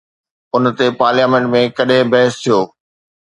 ان تي پارليامينٽ ۾ ڪڏهن بحث ٿيو؟